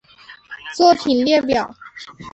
作品列表